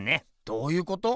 どういうこと？